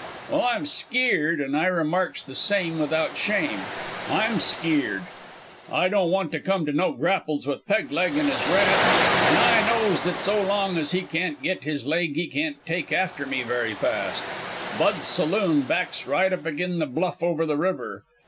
"Well, I'm skeered, and I remarks that same without shame. I'm skeered. I don't want to come to no grapples with Peg leg in his wrath, an' I knows that so long as he can't git his leg he can't take after me very fast. Bud's saloon backs right up agin the bluff over the river.